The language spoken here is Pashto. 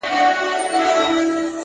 صبر د اوږد انتظار ښکلا ده.!